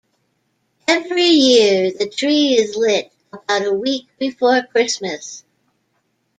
Every year, the tree is lit about a week before Christmas.